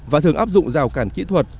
và thường áp dụng rào cản kỹ thuật